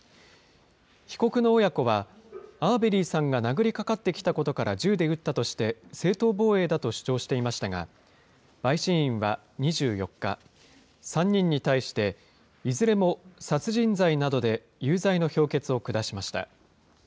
被告の親子は、アーベリーさんが殴りかかってきたことから銃で撃ったとして、正当防衛だと主張していましたが、陪審員は２４日、３人に対して、いずれも殺人罪などで有罪の評決を下しました。